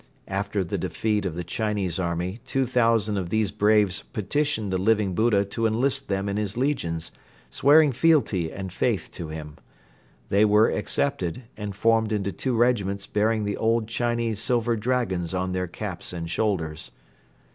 After the defeat of the Chinese army two thousand of these braves petitioned the Living Buddha to enlist them in his legions, swearing fealty and faith to him. They were accepted and formed into two regiments bearing the old Chinese silver dragons on their caps and shoulders.